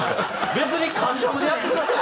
別に『関ジャム』でやってください。